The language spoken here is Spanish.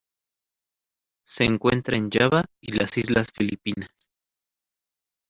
Se encuentra en Java y las Islas Filipinas.